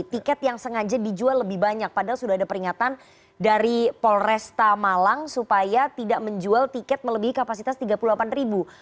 tiket yang sengaja dijual lebih banyak padahal sudah ada peringatan dari polresta malang supaya tidak menjual tiket melebihi kapasitas tiga puluh delapan ribu